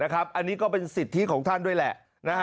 อันนี้ก็เป็นสิทธิของท่านด้วยแหละ